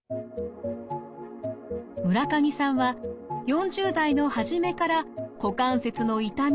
村上さんは４０代の初めから股関節の痛みに苦しみました。